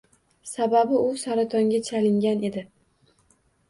Sababi u saratonga chalingan edi